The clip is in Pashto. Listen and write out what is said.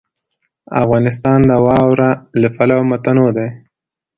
افغانستان د واوره له پلوه متنوع دی.